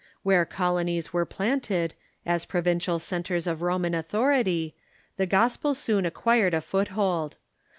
Where colonies were planted, as provincial centres of Roman authority, the Gospel soon acquired a foothold.